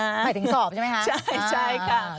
หมายถึงสอบใช่ไหมคะ